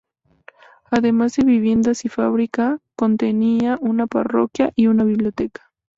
Además de viviendas y fábrica, contenía una parroquia y una biblioteca.